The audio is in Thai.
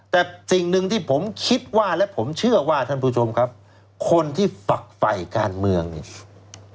แต่สิ่งหนึ่งที่ผมคิดว่าและผมเชื่อว่าท่านผู้ชมครับคนที่ฝักไฟการเมืองเนี่ย